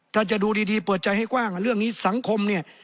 ถ้าจะดูดีเปิดใจให้กว้างเรื่องนี้สังคมเนี่ย